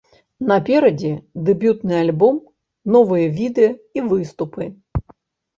Наперадзе дэбютны альбом, новыя відэа і выступы!